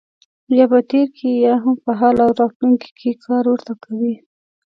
یا په تېر کې یا هم په حال او راتلونکي کې کار ورته کوي.